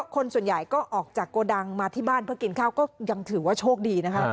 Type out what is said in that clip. คนส่วนใหญ่ก็ออกจากโกดังมาที่บ้านเพื่อกินข้าวก็ยังถือว่าโชคดีนะคะ